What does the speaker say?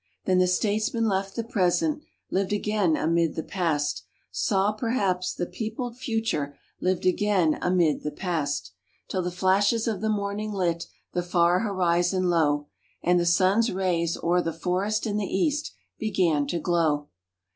Then the statesman left the present, lived again amid the past, Saw, perhaps, the peopled Future, lived again amid the Past, Till the flashes of the morning lit the far horizon low, And the sun's rays, o'er the forest in the East, began to glow.